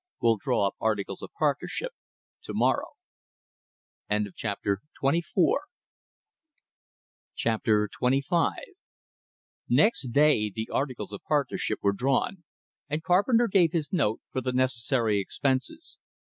We'll draw up articles of partnership to morrow." Chapter XXV Next day the articles of partnership were drawn; and Carpenter gave his note for the necessary expenses.